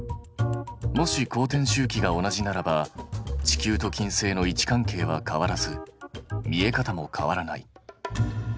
もし公転周期が同じならば地球と金星の位置関係は変わらず見え方も変わらない。